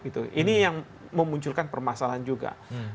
ini yang memunculkan permasalahan juga